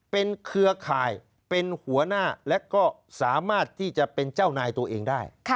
เป็นเครือข่ายเป็นหัวหน้าและก็สามารถที่จะเป็นเจ้านายตัวเองได้